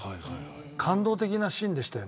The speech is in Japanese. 感動的なシーンでした。